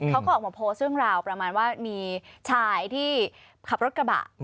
เขาก็ออกมาโพสต์เรื่องราวประมาณว่ามีชายที่ขับรถกระบะ